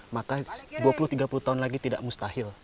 maka dua puluh tiga puluh tahun lagi tidak mustahil